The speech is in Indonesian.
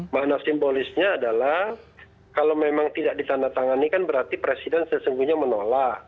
makna simbolisnya adalah kalau memang tidak ditandatangani kan berarti presiden sesungguhnya menolak